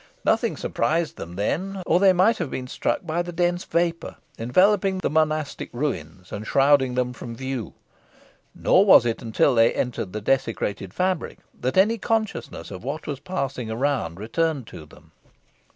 Nothing surprised them then, or they might have been struck by the dense vapour, enveloping the monastic ruins, and shrouding them from view; nor was it until they entered the desecrated fabric, that any consciousness of what was passing around returned to them.